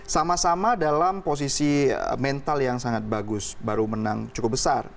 sama sama dalam posisi mental yang sangat bagus baru menang cukup besar